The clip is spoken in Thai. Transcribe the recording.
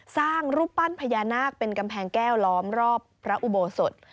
สร้างรูปปั้นพญานาคเป็นกำแพงแก้วล้อมรอบพระอุโบสถ